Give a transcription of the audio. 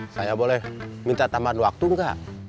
saya boleh minta tambahan waktu enggak